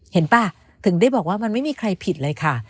ป่ะถึงได้บอกว่ามันไม่มีใครผิดเลยค่ะ